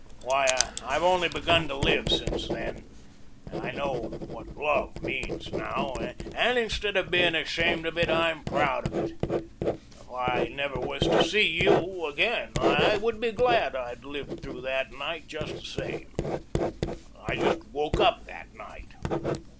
Why, I've only begun to live since then. I know what love means now, and instead of being ashamed of it, I'm proud of it. If I never was to see you again I would be glad I'd lived through that night, just the same. I just woke up that night.